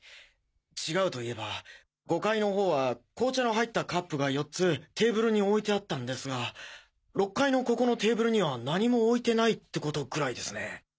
違うといえば５階の方は紅茶の入ったカップが４つテーブルに置いてあったんですが６階のここのテーブルには何も置いてないってことぐらいですね。